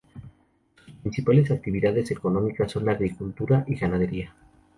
Sus principales actividades económicas son la agricultura y ganadería.